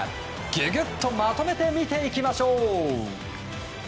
ギュギュっとまとめて見ていきましょう。